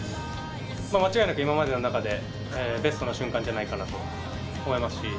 間違いなく今までの中でベストな瞬間じゃないかなと思いますし。